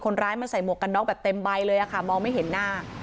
คนร้ายมันใส่หมวกกันน็อกแบบเต็มใบเลยค่ะมองไม่เห็นหน้า